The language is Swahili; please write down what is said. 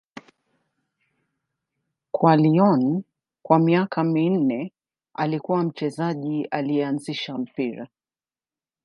Kwa Lyon kwa miaka minne, alikuwa mchezaji aliyeanzisha mpira.